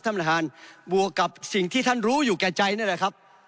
ท่านประธานบวกกับสิ่งที่ท่านรู้อยู่แก่ใจนั่นแหละครับ